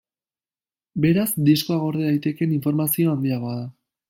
Beraz, diskoa gorde daitekeen informazioa handiagoa da.